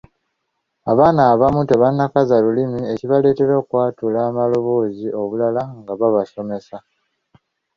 Abaana abamu tebannakaza lulimi ekibaleetera okwatula amaloboozi obulala nga babasomesa.